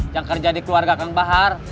yang kerja di keluarga kang bahar